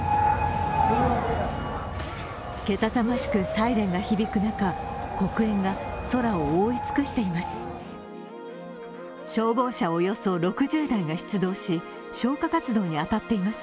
けたたましくサイレンが響く中黒煙が空を覆い尽くしています。